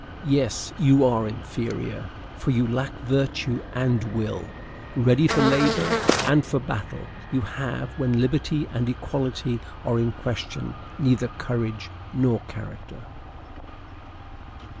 Yes, you are inferior, for you lack virtue and will! Ready for labor and for battle, you have, when liberty and equality are in question, neither courage nor character!